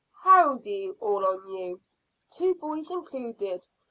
"Howdy, all on you? Two boys included.